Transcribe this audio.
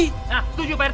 nah setuju pak rt